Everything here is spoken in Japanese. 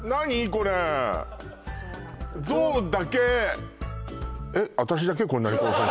これゾウだけえっ？